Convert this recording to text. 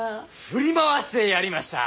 振り回してやりました！